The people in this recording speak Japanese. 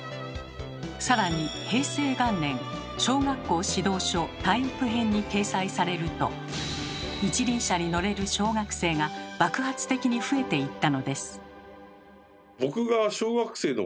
さらに平成元年「小学校指導書体育編」に掲載されると一輪車に乗れる小学生が爆発的に増えていったのです。